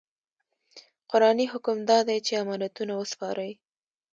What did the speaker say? قرآني حکم دا دی چې امانتونه وسپارئ.